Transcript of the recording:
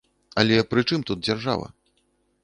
Але пры чым тут дзяржава?